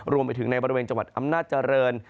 รวมไปถึงในบริเวณจังหวัดอำนาจเจริญ